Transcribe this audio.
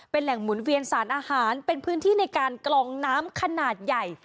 เป็นแหล่งหมุนเวียนสารอาหารเป็นพื้นที่ในการกลองน้ำขนาดใหญ่